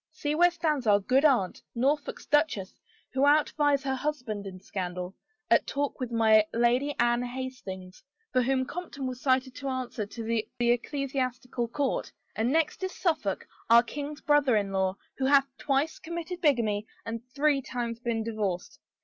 See where stands our good aunt, Norfolk's duchess, who outvies her husband in scandal, at talk with my Lady Anne Hastings, for whom Compton was cited to answer to the ecclesiastical court, and next is Suffolk, our king's brother in law, who hath twice committed bigamy and three times been divorced.